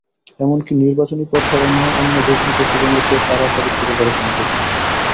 এমনকি নির্বাচনী প্রচারণাও অন্য যেকোনো প্রেসিডেন্টের চেয়ে তাড়াতাড়ি শুরু করেছেন তিনি।